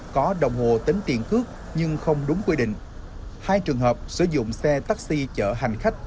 có đồng hồ tính tiền cước nhưng không đúng quy định hai trường hợp sử dụng xe taxi chở hành khách